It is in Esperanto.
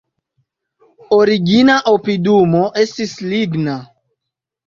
Origina opidumo estis ligna.